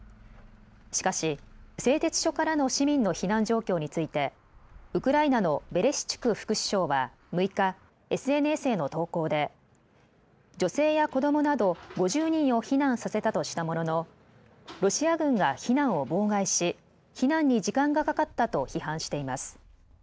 しかし製鉄所からの市民の避難状況についてウクライナのベレシチュク副首相は６日、ＳＮＳへの投稿で女性や子どもなど５０人を避難させたとしたもののロシア軍が避難を妨害し避難に時間がかかったと批判しています。